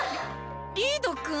リリードくん？